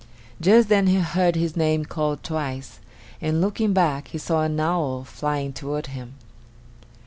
Just then he heard his name called twice, and, looking back, he saw an owl flying toward him.